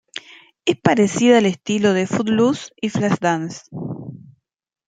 Es parecida al estilo de "Footloose" y "Flashdance".